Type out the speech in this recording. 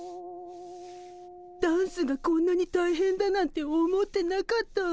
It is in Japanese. ダンスがこんなにたいへんだなんて思ってなかったわ。